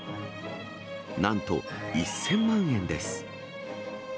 なんと１０００万円です。